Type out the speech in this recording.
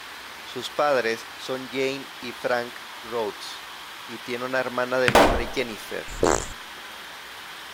Sus padres son Jane y Frank Rhodes, y tiene una hermana de nombre Jennifer.